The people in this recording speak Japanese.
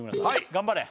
頑張れ